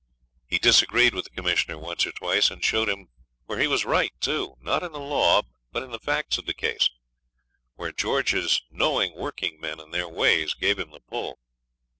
He disagreed from the Commissioner once or twice, and showed him where he was right, too, not in the law but in the facts of the case, where George's knowing working men and their ways gave him the pull.